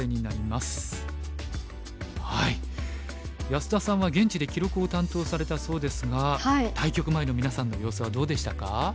安田さんは現地で記録を担当されたそうですが対局前のみなさんの様子はどうでしたか？